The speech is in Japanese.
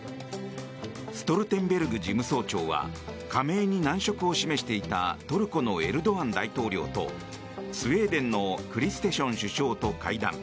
ストルテンベルグ事務総長は加盟に難色を示していたトルコのエルドアン大統領とスウェーデンのクリステション首相と会談。